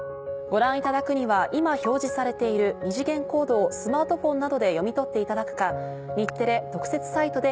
ご覧いただくには今表示されている二次元コードをスマートフォンなどで読み取っていただくか。